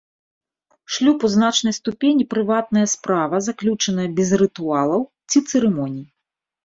Шлюб у значнай ступені прыватная справа, заключаная без рытуалаў ці цырымоній.